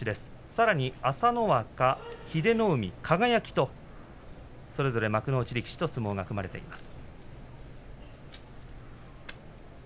さらに朝乃若と英乃海輝とそれぞれ幕内力士と相撲が組まれています。